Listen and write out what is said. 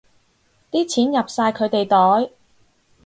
啲錢入晒佢哋袋